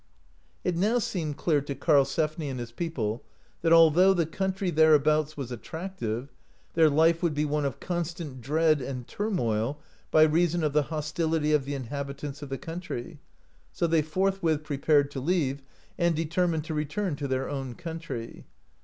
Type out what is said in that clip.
It now seemed clear to Karlsefni and his people that although the country thereabouts was attractive, their life would be one of constant dread and turmoil by reason of the [hostility of the] inhabitants of the country, so they forthwith prepared to leave, and determined to return to their own country.